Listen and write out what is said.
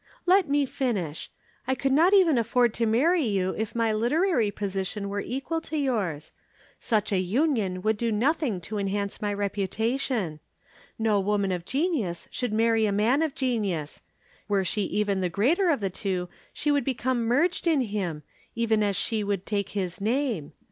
"Let me finish. I could not even afford to marry you, if my literary position were equal to yours. Such a union would do nothing to enhance my reputation. No woman of genius should marry a man of genius were she even the greater of the two she would become merged in him, even as she would take his name.